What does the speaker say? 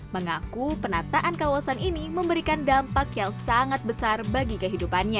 mengaku penataan kawasan ini memberikan dampak yang sangat besar bagi kehidupannya